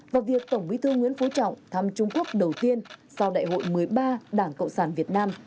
và việc tổng bí thư nguyễn phú trọng thăm trung quốc đầu tiên sau đại hội một mươi ba đảng cộng sản việt nam